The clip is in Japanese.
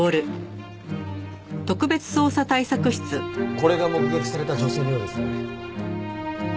これが目撃された女性のようですね。